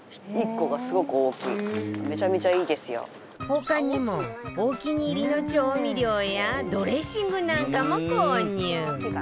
他にもお気に入りの調味料やドレッシングなんかも購入。